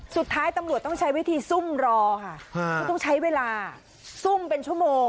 สุดท้ายตำรวจต้องใช้วิธีซุ่มรอค่ะก็ต้องใช้เวลาซุ่มเป็นชั่วโมง